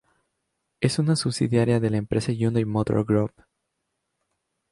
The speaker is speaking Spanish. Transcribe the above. Es una subsidiaria de la empresa Hyundai Motor Group.